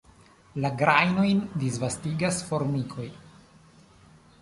La grajnojn disvastigas formikoj.